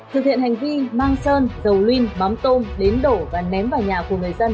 thực hiện hành vi mang sơn dầu linh bám tôm đến đổ và ném vào nhà của người dân